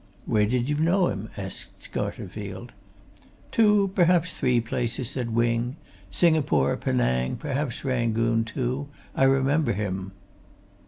"Where did you know him?" asked Scarterfield. "Two perhaps three places," said Wing. "Singapore, Penang, perhaps Rangoon, too. I remember him."